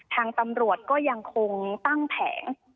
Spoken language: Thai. ทางตำรวจก็ยังคงตั้งแผง